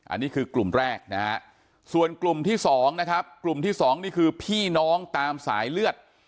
อันนี้คือกลุ่มแรกนะฮะส่วนกลุ่มที่๒นะครับกลุ่มที่๒นี่คือพี่น้องตามสายเลือด